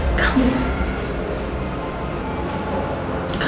anak mama harus kuat